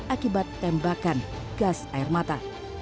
akibat tembakan gas air mata